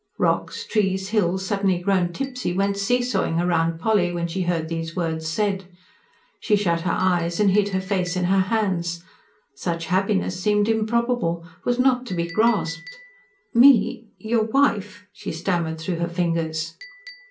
Rocks, trees, hills, suddenly grown tipsy, went see sawing round Polly, when she heard these words said. She shut her eyes, and hid her face in her hands. Such happiness seemed improbable was not to be grasped. "Me? ... your wife?" she stammered through her fingers.